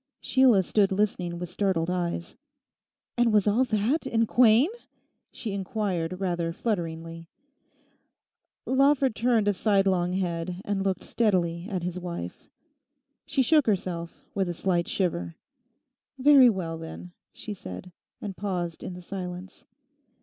Sheila stood listening with startled eyes. 'And was all that in Quain?' she inquired rather flutteringly. Lawford turned a sidelong head, and looked steadily at his wife. She shook herself, with a slight shiver. 'Very well, then,' she said and paused in the silence.